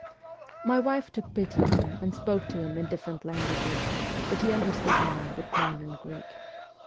My wife took pity on him and spoke to him in different languages, but he under stood none but modern Greek.